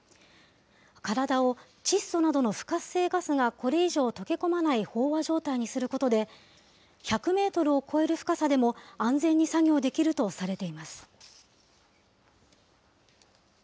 体を窒素などの不活性ガスがこれ以上溶け込まない飽和状態にすることで、１００メートルを超える深さでも、安全に作業できるとされています。